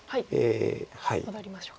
戻りましょうか。